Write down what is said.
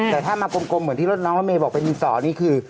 แต่ถ้ามากลมเหมือนที่รถน้องรถเมย์บอกเป็นดินสอนี่คือ